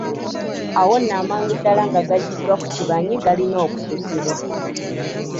Awo nno amangu ddala nga gaggyiddwa ku kibanyi galina okususibwa.